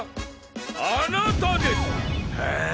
あなたです！ハァ？